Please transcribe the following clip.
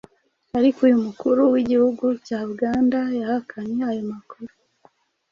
ariko uyu Mukuru w’Igihugu cya Uganda yahakanye ayo makuru.